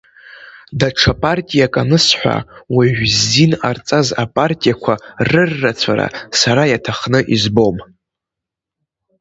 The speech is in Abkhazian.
Даҽа партиак анысҳәа, уажә ззин ҟарҵаз апартиақәа рыррацәара сара иаҭахны избом.